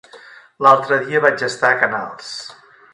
L'altre dia vaig estar a Canals.